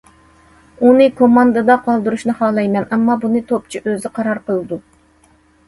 ئۇنى كوماندىدا قالدۇرۇشنى خالايمەن، ئەمما بۇنى توپچى ئۆزى قارار قىلىدۇ.